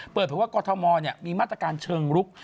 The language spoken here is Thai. เปิดเผยว่ากรทมมีมาตรการเชิงลุก